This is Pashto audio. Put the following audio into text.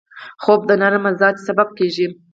خوب د نرم مزاج سبب کېږي